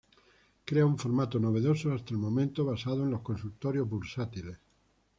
Crea un formato novedoso hasta el momento basado en los consultorios bursátiles.